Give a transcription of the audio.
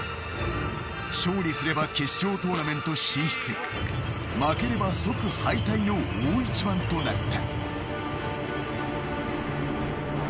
勝利すれば決勝トーナメント進出負ければ即敗退の大一番となった。